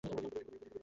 একমাত্র আমিই দেখবো।